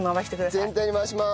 全体に回します。